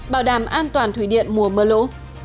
bảo đảm an toàn thủy điện mùa mơ lỗ